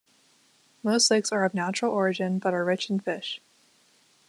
Most lakes are of natural origin, but are rich in fish.